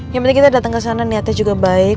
yang penting kita datang ke sana niatnya juga baik